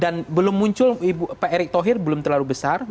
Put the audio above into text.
dan belum muncul pak erik thohir belum terlalu besar